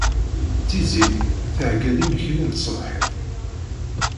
Tiziri theyya-d imekli n tṣebḥit.